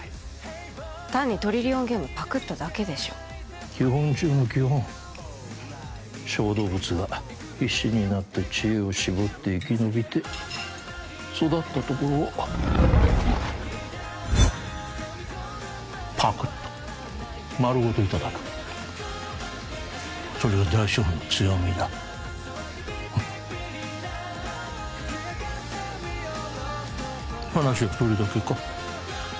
単にトリリオンゲームパクっただけでしょ基本中の基本小動物が必死になって知恵を絞って生き延びて育ったところをパクッと丸ごといただくそれが大資本の強みだ話はそれだけか？